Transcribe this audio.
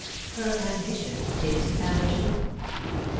her ambition his ambition